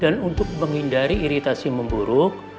dan untuk menghindari iritasi memburuk